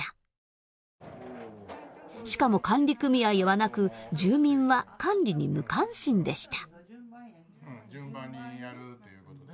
しかも管理組合はなく住民は管理に無関心でした。